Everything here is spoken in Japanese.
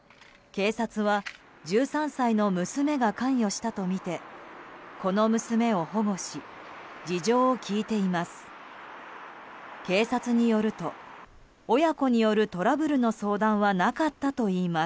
警察は１３歳の娘が関与したとみてこの娘を保護し事情を聴いています。